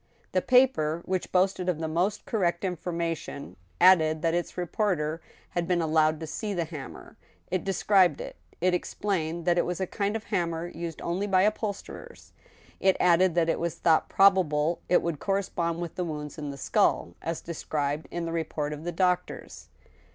The paper which boasted of the most correct information, added that its reporter had been allowed to see the hammer. It described it ; it explained that it was a kind of hammer used only by uphol sterers. It added that it was thought probable it would correspond with the wounds in the skull, as described in the report of the doctors.